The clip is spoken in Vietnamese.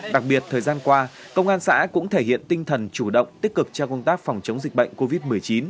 đặc biệt thời gian qua công an xã cũng thể hiện tinh thần chủ động tích cực cho công tác phòng chống dịch bệnh covid một mươi chín